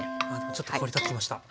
ちょっと香り立ってきました。